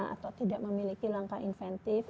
atau tidak memiliki langkah inventif